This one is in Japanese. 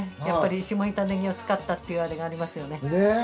やっぱり下仁田ねぎを使ったっていうあれがありますよね。ねぇ！